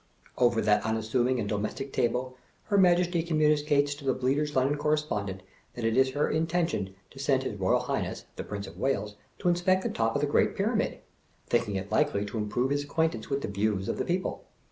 Over that imassuming and domestic table, her Majesty communicates to the Bleater's London Correspondent that it is her intention to send his Eoyal Highness the Prince of Wales to inspect the top of the Great Pyramid — thinking it likely to improve his acquaintance with the views of the people.